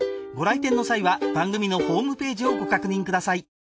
ご来店の際は番組のホームページをご確認ください